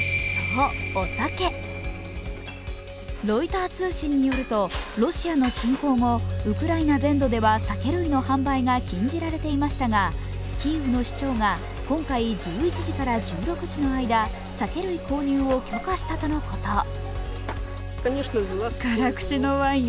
ロイター通信によると、ロシアの侵攻後、ウクライナ全土では酒類の販売が禁じられていましたがキーウの市長が今回１１時から１６時の間、酒類購入を許可したとのこと。